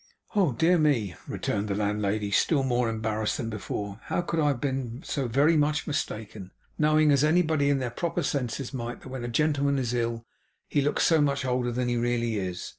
'Oh dear me!' returned the landlady, still more embarrassed than before; 'how could I be so very much mistaken; knowing, as anybody in their proper senses might that when a gentleman is ill, he looks so much older than he really is?